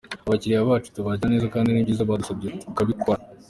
Abakiliya bacu tubakira neza kandi n’ibyiza batadusabye turabikora.